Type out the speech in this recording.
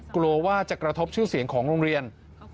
กลัวว่าจะกระทบชื่อเสียงของโรงเรียน